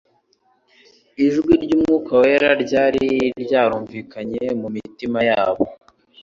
Ijwi ry'Umwuka wera ryari ryarumvikanye mu mitima yabo,